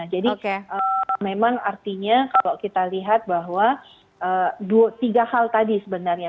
jadi memang artinya kalau kita lihat bahwa tiga hal tadi sebenarnya